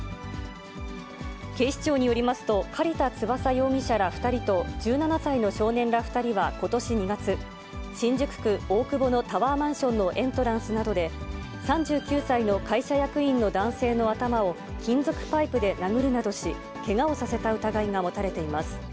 警視庁によりますと、苅田翔容疑者ら２人と、１７歳の少年ら２人は、ことし２月、新宿区大久保のタワーマンションのエントランスなどで、３９歳の会社役員の男性の頭を金属パイプで殴るなどし、けがをさせた疑いが持たれています。